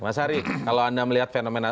mas ari kalau anda melihat fenomena